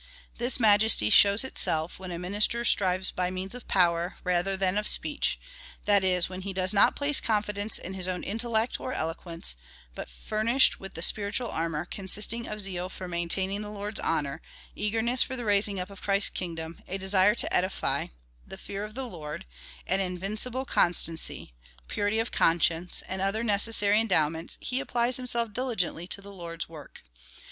This majesty shows itself, when a minister strives by means o^ power rather than of speech — that is, when he does not place confidence in his own intellect, or eloquence, but, furnished with spiritual armour, consisting of zeal for main taining the Lord's honour — eagerness for the raising up of Christ's kingdom — a desire to edify — the fear of the Lord — an invincible constancy — purity of conscience, and other necessary endowments, he applies himself diligently to the Lord's work.